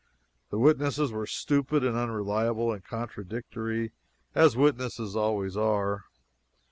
The witnesses were stupid and unreliable and contradictory, as witnesses always are.